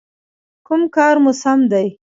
_کوم کار مو سم دی؟